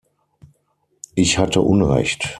Ich hatte Unrecht.